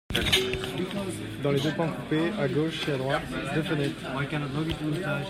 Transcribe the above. Dans les deux pans coupés, à gauche et à droite, deux fenêtres.